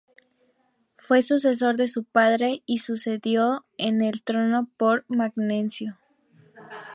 Fue sucesor de su padre y sucedido en el trono por Magnencio.